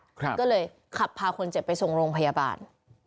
ขนาดก็เลยคับพาคนเจ็บไปทรงโรงพยาบาล